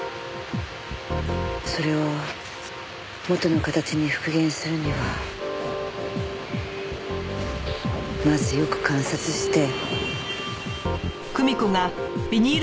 それを元の形に復元するにはまずよく観察して。